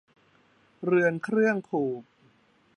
เรือนเครื่องผูก